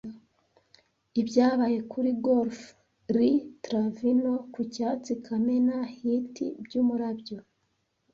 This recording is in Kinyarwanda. Ibyabaye kuri golf Lee Travino ku cyatsi Kamena Hit by Umurabyo